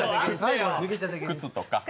靴とか。